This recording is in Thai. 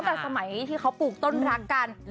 ตั้งแต่สมัยที่เขาปลูกต้นรักกัน